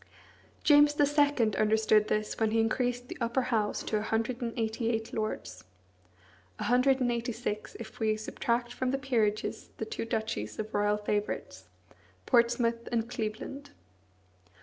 James II. understood this when he increased the Upper House to a hundred and eighty eight lords; a hundred and eighty six if we subtract from the peerages the two duchies of royal favourites, Portsmouth and Cleveland.